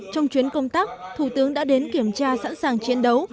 trong chuyến công tác thủ tướng đã đến kiểm tra sẵn sàng chiến đấu